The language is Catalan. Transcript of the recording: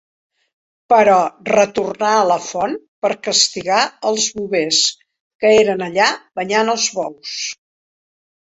Però retornà a la font per castigar els bovers, que eren allà banyant els bous.